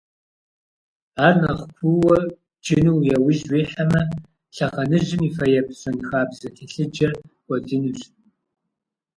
Ар нэхъ куууэ бджыну яужь уихьэмэ, лъэхъэнэжьым и фэеплъ щэнхабзэ телъыджэр кӀуэдынущ.